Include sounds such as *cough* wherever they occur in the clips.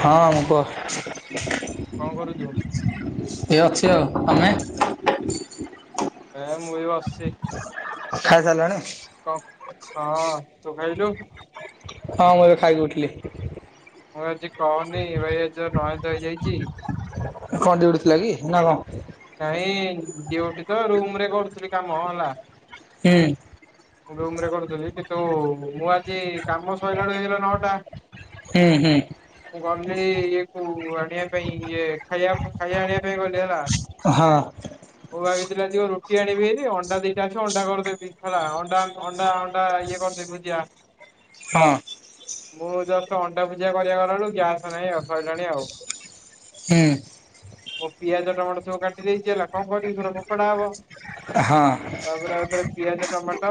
ହଁ କହ ଏ ଅଛି ଆଉ ତମେ ଏ ମୁଇ ବସିଛି ଖାଇ ସାରିଲାଣି ହଁ ମୁଁ ଏବେ ଖାଇକି ଉଠିଲି ମୁଁ ଆଜି କହୁନି ଭାଇ ନୟନ୍ତ ହେଇଯାଇଛି। କଣ ଦିଉଟି ଥିଲା କି ନା କ? ନାଇଁ ଡଉଟି ତ ରୁମ ରେ କରୁଥିଲି କାମ ହେଲା, ହୁଁ। ରୁମରେ କରୁଥିଲି କିନ୍ତୁ ମୁଁ ଆଜି କାମ ସରିଲାଳୁ ହେଇଗଲା ନଅଟା। ହୁଁ ହୁଁ। କଲି ଇଏ କୁ ଆଣିବା ପାଇଁ ଇଏ ଖାଇବା ଖାଇବା ଆଣିବା ପାଇଁ ଗଲି ହେଲା। ହଁ ରୁଟି ଆଣିବି ହେରି ଅଣ୍ଡା ଦିଟା ଅଛ ଅଣ୍ଡା କରିଦେବି ହେଲା ଅଣ୍ଡା ଅଣ୍ଡା ଅଣ୍ଡା ଇଏ କରିଦବୁ ଭୁଜି ଚା। ହଁ। ମୁଁ ଜଷ୍ଟ ଅଣ୍ଡା ଭୂଜିଆ କରିବା ଗଲାଲୁ ଗ୍ୟାସ ନହିଁ ସରିଲାଣି ଆଉ। ହୁଁ। ମୁଁ ପିଆଜ ଟମାଟ ସବୁ କାଟି ଦେଇଛି ହେଲା କଣ କରିବି ସେରା ଫୋପଡ଼ା ହବ। ହଁ ତାପରେ ଆଉଥରେ ପିଆଜ ଟମାଟ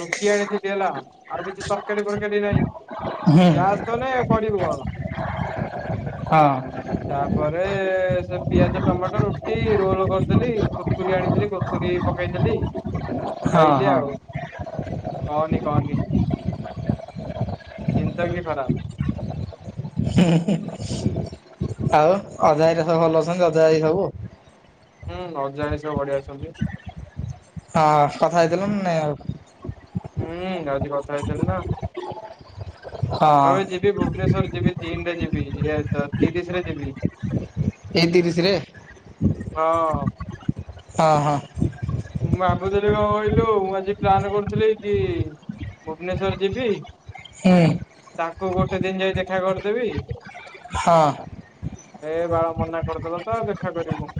ରୁଟି ଆଣିଥିଲି ହେଲା ଆଉ କିଛି ତରକାରୀ ଫରକାରୀ ନାହିଁ। ହୁଁ ଗ୍ୟାସ ତ ନାହିଁ କରିଵି କଣ? ହଁ। ତାପରେ ସେ ପିଆଜ ଟମାଟୋ ରୁ ଟି ରୋଲ କରିଦେଲି କୁୁରକୁରି ଆଣିଥିଲି କୁରକୁରି ପକେଇଦେଲି ହଁ ଖାଇଲି ହଁ ଆଉ କହନି କହନି *inaudible* ଚିନ୍ତା ବି ଖରାପ। *inaudible* *inaudible* ଆଉ ଅଜା ହେରିକା ସବୁ ଭଲ ଅଛନ୍ତି ଅଜା ଆଇ ସବୁ? ହୁଁ ଅଜା ହାରିକା ସବୁ ବଢିଆ ଅଛନ୍ତି। ହଁ କଥା ହେଇଥିଲ ନାଁ ନାଇ ଆଉ? ହୁଁ ଆଜି କଥା ହେଇଥିଲି ନା ହଁ *inaudible* ମୁଁ ଏବେ ଯିବି ଭୁବନେଶ୍ଵର ଯିବି ତିନିରେ ଯିବି ଇ ତ ତିରିଶି ରେ ଯିବି। ଏଇ ତିରିଶିରେ? ହଁ। ଅ ହଁ। ଭାବୁଥିଲି କଣ କହିଲୁ ମୁଁ ଆଜି ପ୍ଲାନ କରୁଥିଲି କି ଭୁବନେଶ୍ଵର ଯିବି ହୁଁ। ତାକୁ ଗୋଟେ ଦିନ ଯାଇ ଦେଖା କରିଦେବି ହଁ। ଏ ବାଳ ମନା କରିଦେଲ ତ ଆଉ ଦେଖା କରିବୁ କ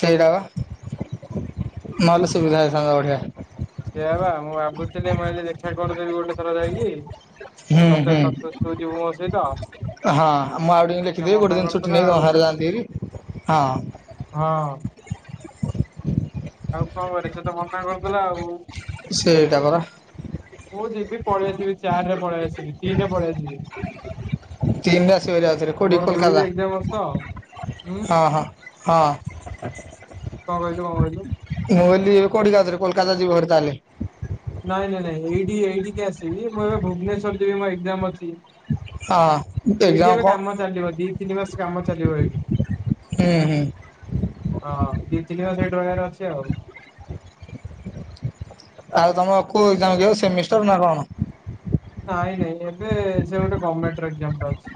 ସେଇଟା ବା ନହେଲେ ସୁବିଧା ହେଇଥାନ୍ତା ବଢ଼ିଆ। ସେୟା ବା ମୁଁ ଭାବୁଥିଲି ମୁଁ ଆଜି ଦେଖା କରିଦେବି ଗୋଟେ ଥର ଯାଇକି ହୁଁ ତତେ ହୁଁ। ତତ ତୁ ଯିବୁ ମୋ ସ ହଁ ମୁଁ ଆଉ ଟିକି ଲେଖିଦେବି ଗୋଟେ ଦିନ ଛୁଟି ନେଇ କି ଘରେ ଯାଆନ୍ତିି ହେରି ହଁ। ଆଉ କଣ କରି ସେ ତ ମନା କରୁଥିଲା ଆଉ ସେଇଟା ପରା ମୁଁ ଯିବି ପଳେଇ ଆସିବି ଚାରି ରେ ପଳେଇ ଆସିବି ତିନରେ ପଳେଇ ଆସିବି। ତିନରେ ଆସିବ ଯାଉରେ କୋଉଠି କୋଲକାତା। ହଁ ହଁ ହଁ। *inaudible* କଣ କହିଲୁ କଣ କହିଲୁ ମୁଁ କହିଲି କୋଡିଏରେ ଆଉଥରେ କୋଲକାତା ଯିବ ହେରି ତାହାଲେ? ନାଇଁ ନାଇଁ ନାଇଁ ଏଇଠି ଏଇଠିକି ଆସିବି ମୁଁ ଏବେ ଭୁବନେଶ୍ଵର ଯିବି ମୋ ଏାଗ୍ଜାମ୍ ଅଛି। ହଁ ଏକ୍ଜାମ ଏଇଠି ଏବେ କଣ କାମ ଚାଲିବ ଦି ତିନି ମାସ କାମ ଚାଲିବ ଏଇଠି ହୁଁ ହୁଁ। ହଁ ଦି ତିନି ମାସ ଏଇଠି ରହିବାର ଅଛି ଆଉ *inaudible* ଆଉ ତମ କଉ ଏାଗ୍ଜାମ୍ କିରେ ସେମିଷ୍ଟର ନା କଣ? ନାଇଁ ନାଇଁ ଏବେ ସେ ଗୋଟେ ଗମେଣ୍ଟ ଏାଗ୍ଜାମ୍ ଯାଉଛି।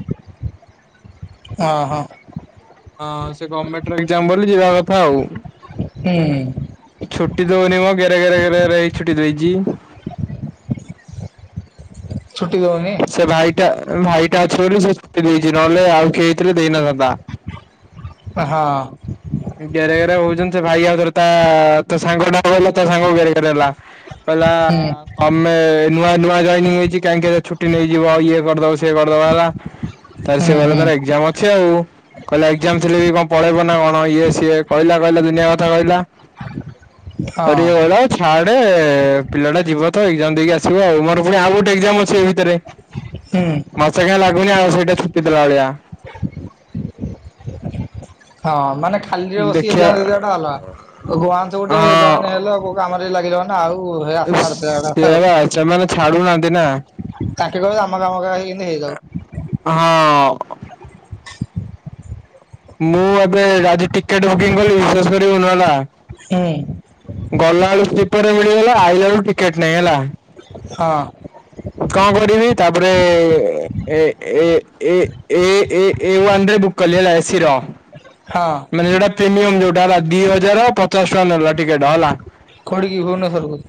ଅ ହ। ହଁ ସେ ଗମେଣ୍ଟର ଏଗ୍ଜାମ ବୋଲି ଯିବା କଥା ଆଉ ହୁଁ। ଛୁଟି ଦଉନି ବା ଗେରେ ଗେରେ ଗେରେ ହେଇକି ଛୁଟି ଦେଇଛି। *inaudible* ଛୁଟି ଦୋଉନି? ଭାଇ ଟା ଅଛି ବୋଲି ସେ ଛୁଟି ଦେଇଛି ନହେଲେ ଆଉ ଖଆଇଥିଲେ ଦେଇନଥାନ୍ତା। ହଁ। ଗେରେ ଗେରେ ହଉଛନ୍ତି ସେ ଭାଇ ଆଉଥରେ ତା ତୋ ସାଙ୍ଗ କହିଲା ତା ସାଙ୍ଗ ଗେରେଗେରେ ହେଲା କହିଲା ହୁଁ ତମେ ନୂଆ ନୂଆ ଜଏନିଂ ହେଇଛି କାହିଁକି ଛୁଟି ନେଇଯିବ ଆଉ ଇଏ କରିଦବ ସିଏ କରିଦବ ହେଲା। ତାହେଲେ ହୁଁ ସେ ହୁଁ ତର ଏକ୍ଜାମ ଅଛି ଆଉ କହିଲେ ଏଗ୍ଜାମ ଥିଲେ ବି କଣ ପଳେଇବ ନା କ ଇଏ ସିଏ କହିଲ କହିଲ ଦୁନିଆ କଥା କହିଲା ହଁ ହେଠୁ ୟେ କହିଲା ଛାଡ। ପିଲାଟା ଯିବ ତ ଏଗ୍ଜାମ ଦେଇକି ଆସିବ ଆଉ ମୋର ପୁଣି ଆଉ ଗୋଟେ ଅଛି ଏ ଭିତରେ ହୁଁ ମୋତେ କାଇ ଲାଗୁନି ଆଉ ସେଇଟା ଛୁଟି ଦେଲା ଭଳିଆ। ହଁ ମାନେ ଖାଲିରେ ବସି ଦେଲା ଟା ଅଲଗା ୱନ୍ସ ଗୋଟେ ଜଇନ ହେଲୋ କଉ କାମରେ ଲାଗିଲା ନା ଆଉ। ହେ ଆଶା ଛାଡ଼ିଦେବା କଥା ସେ ଆଉ ସେମାନେ ଛାଡୁନାହାନ୍ତି ନା। ତାଙ୍କେ କହିବେ ଆମ କାମ କେମିତି ହେଇଯାଉ। ହଁ। ମୁଁ ଏବେ ଆ ଟିକେଟ ବୁକିଂ କଲି ବିଶେଷ କର ନହେଲା ହଁ। ଗଲାଳୁ ସ୍ପରେ ମିଳିଗଲା ଆଇଲା ବେଳୁ ଟିକେଟ ନାହିଁ ହେଲା। ହଁ। କଣ କରିବି ତାପରେ ଏ ଏ ଏ ଏୱରେ କଲେଳୟସିର ହଁ ମାନେ ଯୋଉଟା ପ୍ରିମିୟମ ଯୋଉଟା ହେଲା ଦି ହଜାର ପଚାଶ ଟଙ୍କା ନେଲା ଟିକେଟ ହେଲା। ଖୋଡ଼ଗି ଭୁବନେଶ୍ଵରକୁ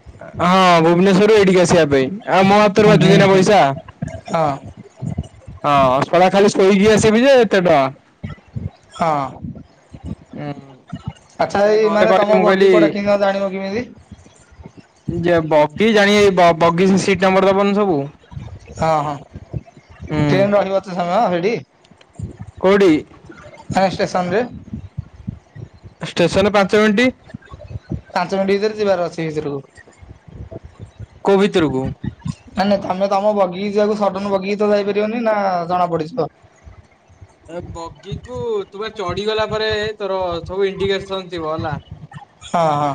ହଁ ଭୁବନେଶ୍ୱରରୁ ଏଇଠିକି ଆସିବା ପାଇଁ ଆଉ ମହାତରବାଦ ଯୋଜନା ହୁଁ। ପଇସା ହଁ ହଁ ସରା ଖାଲି ଶୋଇକି ଆସିବି ଯେ ଏତେ ଟଙ୍କା ହଁ। ହୁଁ। ଆଚ୍ଛା ଏଇ ମାନେ ତମ ଭଗୀ କୋଆଟେ କି ଜାଣିବ କେମିତି? ବଗି ଜାଣ ବଗିଚ ସିଟ ନମ୍ବର ଦବନି ସବୁ ହଁ ହଁ ହୁଁ। ଟ୍ରେନ ରହିବତ ସମୟ ରେଡ଼ି କୋଉଡି? ଆଏ ଷ୍ଟେସନରେ। ଷ୍ଟେସନରେ ପାଞ୍ଚ ମିନିଟ୍ ପାଞ୍ଚ ମିଣ୍ଟି ଭିତରେ ଯିବାର ଅଛି ଭିତରକୁ। କୋ ଭିତୋରକୁ ନାଇଁ ନାଇଁ ତମେ ତମ ବଗିି ଯିବାକୁ ସଡନ ବଗିି ତ ଯାଇପାରିବନି ନା ଜଣା ପଡିଯିବ। ଏ ବଗିକୁ ତୁମେ ଚଢିଗଲା ପରେ ତୋର ସବୁ ଇଡିିକେସନ ଥିବ ହେଲା। ହଁ ହଁ।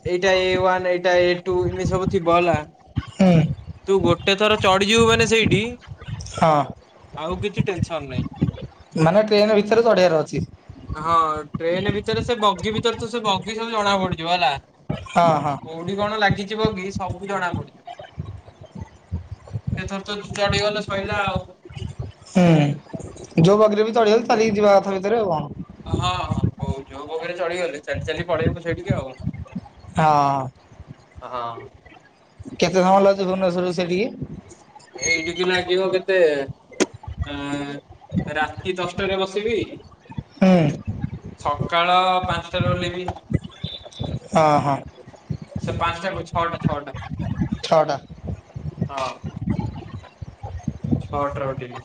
ଏଇଟା ଏ ୱାନ୍ ଏଇଟା ଏ ଟୁ ଏମିତି ସବୁଥିବ ହେଲା। ହୁଁ ତୁ ଗୋଟେ ଥର ଚଢିଯିବୁ ମାନେ ସେଇଠି ହଁ। ଆଉ କିଛି ଟେନସନ ନାହିଁ। ମାନେ ଟ୍ରେନ ଭିତରେ ଚଢିବାର ଅଛି। ହଁ ଟ୍ରେନ ଭିତରେ ସେ ବଗି ଭିତରେ ତ ସେ ବଗି ସବୁ ଜଣା ପଡିଯିବ ହେଲା। ହଁ ହଁ କୋଉଠି କଣ ଲାଗିଯିବ କି ସବୁ ଜଣା ପଡୁଛ। ସେଥର ତ ଚଡିଗଲେ ଶଇଲା ଆଉ। ହୁଁ ଯୋଉ ବଗିରେ ବି ଚଳିଗଲେ ଚାଲିକି ଯିବା କଥା ଭିତରେ ଆଉ କଣ? ହୋଉ ଯୋଉ ବଖରେ ଚଳିଗଲେ ଚାଲି ଚାଲି ପଳେଇବୁ ସେଇଟିକି ଆଉ। ହଁ। ହଁ। କେତେ ସମୟ ଲାଗୁଛି ଭୁବନେଶ୍ଵରରୁ ସେଠିକି ଲାଗିବ କେତେ ଅ ରାତି ଦଶଟାରେ ବସିବି ହୁଁ ସକାଳ ପାଞ୍ଚଟା ରେ ଓଲ୍ହିବି। ଅ ହଁ। ସେ ପାଞ୍ଚଟାକୁ ଛଅଟା ଛଅଟା ଛଅଟା ହଁ। ଛଆଟାରେ ଉଠିବି।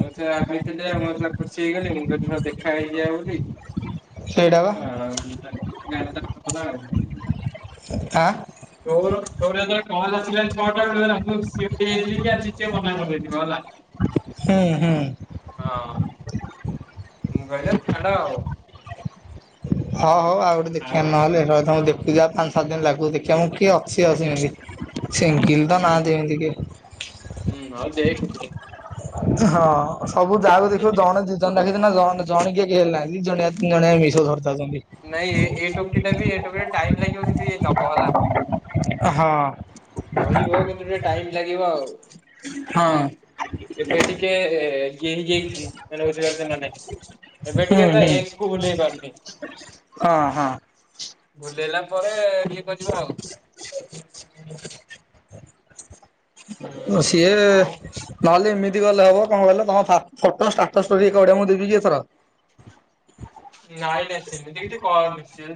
ମୁଁ ସେ ଭାବିଥିଲି ମ ଖୁସି ହେଇଗଲି ମୁଁ ଦେଖା ହେଇଯିବା ବୋଲି ସେଇଟା ବା ! ଧନ୍ଦା *unintelligible* ଆଉ। ଆଁ କୋହୁନୁ ତୋର ଯେତୋବେଳେ କଲ୍ ଆସିଲାନି ଛଅଟା ବେଳୁ ମୁଁ ପୁରା ସିଓର ହେଇ ଯାଇଥିଲି କି ଆଜି ସିଏ ମନ କରିଦେଇଥିଲେ ହେଲା। ହୁଁ ହୁଁ। ହଁ। ମୁଁ କହିଲି ଛାଡ ଆଉ ହଁ ହଉ ଆଉ ଗୋଟେ ଦେଖିବା ନହେଲେ ଦେଖିବା ପାଞ୍ଚ ସାତ ଦିନ ଲାଗୁ ଦେଖିଆ କିଏ ଅଛି ଅଛିମିତି ସିଙ୍ଗିଲ୍ ତ ନାହାନ୍ତି ଏମିତି କେହି ହୁଁ, ହଉଦେଖେ ଟିକେ ହଁ ସବୁ ଯାଉ ଦେଖିବୁ, ଜଣେ ଦିଇ ଜଣ ଡାକିଛି ନା ଜ ଜଣେ କିଏ *unintelligible* ଖ ହେନାହାନ୍ତି ଜଣିଆତିନ ଜଣିଆ ମିଶଷ ଧରିଥାନ୍ତି ନାଇଁ, ଏ ଏ ଟୋପି ଟା ବି, ଏ ଟୋପି ଟାଇମ୍ ଲାଗିବ କି ଦବ ହେଲା। ହଁ କହିବ କିନ୍ତୁ ଟିକେ ଟାଇମ ଲାଗିବ ଆଉ ହଁ ଏବେ ଟିକେ ଇଏ ହେଇଯାଇଛି ମାନେ ବୁଝି ପାରୁଛୁ ନାଇଁ ଏବେ ହୁଁ ଟିକେ ତ, ହୁଁ ଏ ସ୍କୁଲ ହେଇ ପାରୁନି। ହଁ ହଁ ବୁଲେଇଲା ପରେ, ଇଏ କରିିବ ଆଉ ବ, ସେ ନହେଲେ କେମିତି ଗଲେ ହବ କଣ *unintelligible* ତମ ଫା ଫଟ ଷ୍ଟାଟଷ *unintelligible* ମୁଁ ଦେଇ ଦୋଉଚି ଏଥର। ନାଇଁ ନାଇଁ ସେମିତି କିଛି କରନି ସ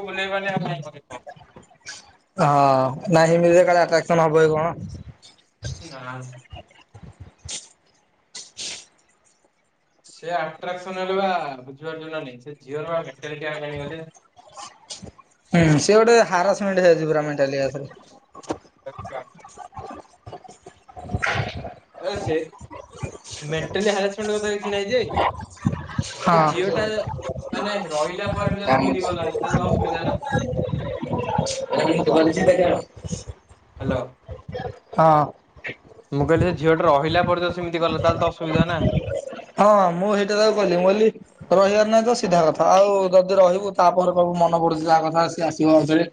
ବୁଲେଇବି ଆଉ କଣ ହଁ ନାହିଁ ମିଳିବ କାଳେ ଆକ୍ଟ୍ରାସନ ହବ କି କଣ? ନାଚ୍ ସେ ଆଟ୍ରାକ୍ସନ ହେଲେ ବା ବୁଝିପାରୁଛ ନା ନାଇଁ ସେ ଝିଅର ବାଟ ଜାଣିବ। ହୁଁ ସେ ଗୋଟେ ହାରାସମେଣ୍ଟ ହେଇଯାଉଚି ପୁରା ମେଣ୍ଟାଲିଆ ଘରେ *unintelligible* ଏ ସେ ମେଣ୍ଟାଲି ହାରାସମେଣ୍ଟ କଥା କିଛି ନାହିଁ ଯେ। ହଁ। *inaudible* *unintelligible* *unintelligible* ହାଲୋ। ହଁ। ମୁଁ କହିଲି ସେ ଝିଅଟା ରହିଲା ପରେ ତତେ ସେମିତି କଲା ତାହେଲେତ ଅସୁବିଧା ନା। ହଁ ମୁଁ ସେଇଟା ତାକୁ କହଲି ମୁ କହିଲି ରହିବାର ନାହିଁ ତ ସିଧା କଥା। ଆଉ ଯଦି ରହିବୁ ତାପରେ କିହିବୁ ମନ ପଡୁଚି ତା କଥା ସିଏ ଆସିବ ଆଉ ଥରେ।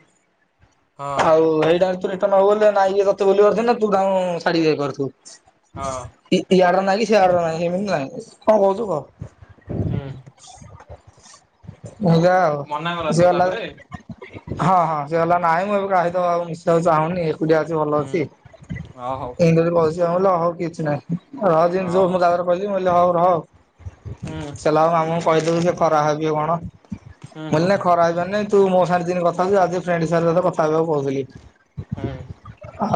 ଆଉ ହେଇଟା ତୁ ରିଟର୍ଣ ହବୁ ବୋଲି ନାଇଁ ଏ ତତେ ଭୁଲିପାରୁଥିବୁ ନା ତୁ ତାଙ୍କୁ ଛାଡିକି ଯାଇ ପାରୁଥିବୁ। ଇ-ଇଆଡାର ନାହିଁ କି ସିଆଡାର ନାହିଁ ସେମିତି ନାହିଁ କଣ କହୁଚୁ କହ। ହୁଁ। ମୁଗା ଆଉ ସିଏ ଅଲଗା *unintelligible* ହଁ ହଁ ସେ କହିଲା ନାଇଁ ଏବେ କାହା ସହିତ ଆଉ ମିଶିବାକୁ ଚାହୁଁନି। ଯାହା ଅଛି ଭଲ ଅଛି। *unintelligible* ଆଉ କିଛି ନାହିଁ। ରହ ଜିନି ଶୁଣୁ ମୁଁ ତାପରେ କହିଲି କି ମୁଁ କହିଲି କି ହୋଉ ରହ ଚଲାଅ ମାମୁଁ କହିଦେବୁ ସେ ଖରାପ ଭାବିବ କଣ ଗଲେ ଖରାପ ଭାବିବନି। *unintelligible* ତୁ ମୋ ସା *unintelligible* ଦିନି କଥା ହୋଉଚୁ ଆଜି ଫ୍ରେଣ୍ଡ ହିସାବରେ କଥା ହେବାକୁ କୋହୁଥିଲି। ହୁଁ।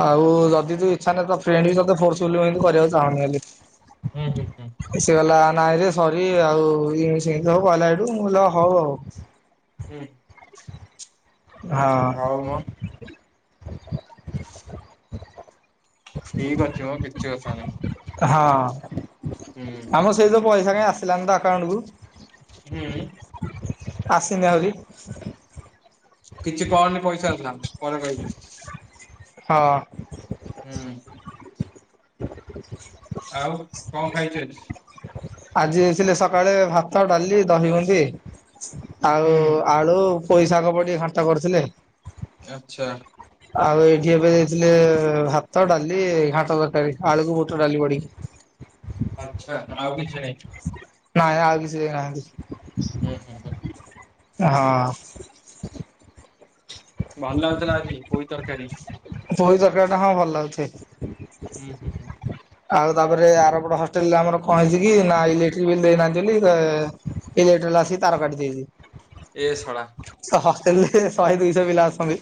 ଆଉ ଯଦି ତୁ ଇଚ୍ଛା ନାହିଁ ତ ଫ୍ରେଣ୍ଡ ବି ତତେ ଫୋର୍ସ ଫୁଲି *unintelligible* କରିବାକୁ ଚାହୁଁନି ବୋଲି। ହୁଁ ହୁଁ ହୁଁ। ସେ ଗଲା ନାଇଁରେ ସରି ଆଉ ସେମିତି ହବ କହିଲ ଏଠୁ ମୁଁ ହବ ଆଉ। ହୁଁ। ହଁ ହଉ ମ। ଠିକ ଅଛି ମଁ କିଛି କଥା ନାଇଁ। ହଁ ଆମର ସେଇ ଯେଉଁ ପଇସା କାହିଁ ଆସିଲାନି ତ ଆକାଉଣ୍ଟକୁ। ହୁଁ। ଆସିନି ଆହୁରି କିଛି କରନି ପଇସା ଆସିଲା ପରେ କହିବୁ। ହଁ। ହୁଁ। *inaudible* ଆଉ କଣ ଖାଇଚୁ ଆଜି? ଆଜି ଦେଇଥିଲେ ସକାଳେ ଭାତ ଡାଲି ଦହି ଭେଣ୍ଡି ଆଉ ଆଳୁ। ପୋଇ ଶାଗ ପ ଟିକେ ଘାଣ୍ଟ କରିଥିଲେ। ଆଛା। ଆଉ ଏଇଠି ଏବେ ଦେଇଥିଲେ। ଭାତ ଡାଲି ଘାଣ୍ଟ ତରକାରୀ ଆଳୁକୁ ବୁଟ ଡାଲି ପଡିକି ଆଛା ଆଉ କିଛି ନାହିଁ। ନାଇଁ ଆଉ କିଛି ଦେଇନାହାନ୍ତି। ହୁଁ ହୁଁ ହୁଁ। ହଁ। ଭଲ ଲାଗୁଥିଲା ଆଜି ପୋଇ ତରକାରୀ ପୋଇ ତରକାରୀ ଟା ହଁ ଭଲ ଲାଗୁଛି। ହୁଁ ହୁଁ ହୁଁ। ଆଉ ତାପରେ ଆରପଟ ହଷ୍ଟେଲ ଆମର କଣ ହେଇଚିକି, ନା ଇଲେକ୍ଟ୍ରିକ ବିଲ୍ ଦେଇନାହାନ୍ତି ବୋଲି ଇଲେକ୍ଟ୍ରି ବାଲା ଆସିକି ତାର କାଟି ଦେଇଛି। ଏ ଶଳା! ଡେଲି ଶହେ ଦୁଇଶହ ପିଲା ଆସନ୍ତି।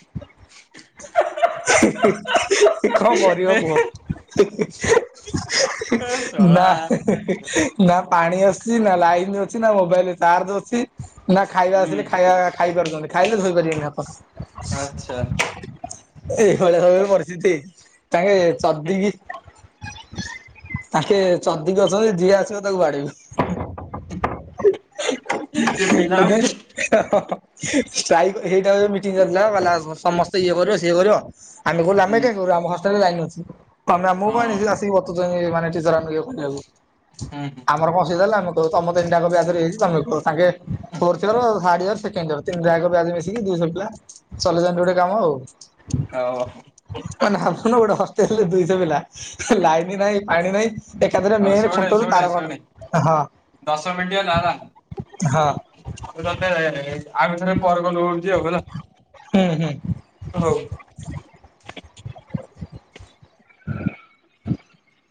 ହିଁ ହିଁ ହିଁ ହିଁ କଣ କରିବ କୁହ ନା ନା। ନା ପାଣି ଅସୁଛି। ନା ଲାଇନ୍ ଅଛି ନା ମୋବାଇଲରେ ଚାର୍ଜ ଅଛି। ନା ଖାଇବା ଆସିଲେ ଖାଇବା ଖାଇପାରୁଛନ୍ତି ଖାଇଲେ ଧୋଇ ପାରିବେନି ହାତ ଆଛା। ଏଇଭଳିଆ ସବୁ ପରିସ୍ଥିତି ତାଙ୍କେ ଚଦିକି ଆକେ ଚଦିକି ଅଛନ୍ତି ଯିଏ ଆସିବ ତାକୁ ବାଡେଇବୁ। *unintelligible* ଷ୍ଟାଇ ହେଇଟା *unintelligible* *unintelligible* ସମସ୍ତେ ଇଏ କରିବ ସିଏ କରିବ। ଆମେ କହିଲୁ ଆମେ କାଇଁ କରିବୁ ଆମ ହଷ୍ଟେଲରେ ତ ଲାଇନ ଅଛି। ତମେ ଆମକୁ କ କଣ ଆସିକି ବତଉଚ ଆମେ ଟିଚର ମାନେ ଇଏ କରିବାକୁ। ଆମର କଣ ଅସୁବିଧା ହେଲେ ଆମେ କହିବୁ। ତମ ତିନିଟାକ ବ୍ୟଚରେ ହେଇଛି ତମେ କୁହ। ତାଙ୍କେ fourth floor third year second year ତିନିଟାକ ବ୍ୟାଚ ମିଶିକି ଦୁଇ ଶହ ପିଲା, ଚଲାଇଛନ୍ତି ଗୋଟେ କାମ ଆଉ। ଓହୋ *inaudible* ତାହେଲେ ଦୁଇଶହ ପିଲା ଲାଇନ ନାହିଁ ପାଣି ନାହିଁ। ଏକାଥରେ ମେନେ ଖୁଣ୍ଟରୁ ତାର କଟ୍ ହଁ। *unintelligible* *inaudible* ଆଗ ହଁ ଥରେ ପରେ କଲ୍ କରୁଚି ଆଉ ହେଲା। ହୁଁ ହୁଁ। ହଉ। *inaudible*